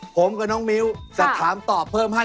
ผมกับน้องมิ้วจะถามตอบเพิ่มให้